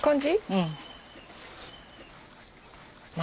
うん。